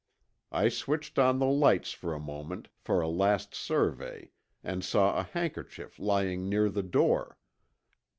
I switched on the lights for a moment for a last survey and saw a handkerchief lying near the door.